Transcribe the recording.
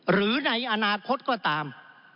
หรือในอนาคตก็ตาม